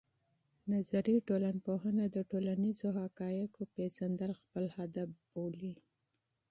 نظري ټولنپوهنه د ټولنیزو حقایقو پېژندل خپل هدف بولي.